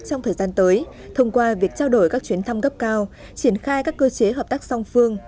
trong thời gian tới thông qua việc trao đổi các chuyến thăm cấp cao triển khai các cơ chế hợp tác song phương